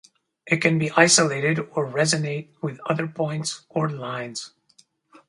It can be isolated or resonate with other points or lines.